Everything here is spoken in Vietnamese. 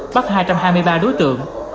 bắt hai trăm hai mươi ba đối tượng